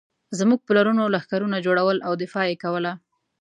زموږ پلرونو لښکرونه جوړول او دفاع یې کوله.